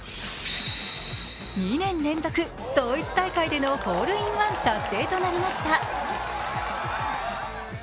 ２年連続同一大会でのホールインワン達成となりました。